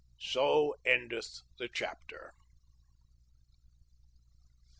So endeth the chap ter."